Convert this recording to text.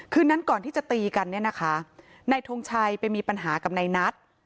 คืนนั้นก่อนที่จะตีกันเนี่ยนะคะนายทงชัยไปมีปัญหากับนายนัท